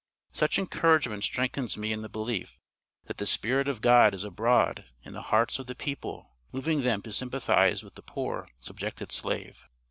Such encouragement strengthens me in the belief that the Spirit of God is abroad in the hearts of the people, moving them to sympathize with the poor, subjected slave."